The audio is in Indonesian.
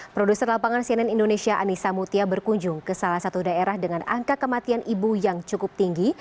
produser lapangan cnn indonesia anissa mutia berkunjung ke salah satu daerah dengan angka kematian ibu yang cukup tinggi